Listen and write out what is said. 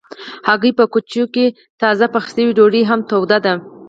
هګۍ په کوچو کې تازه پخې شوي ډوډۍ هم توده ده.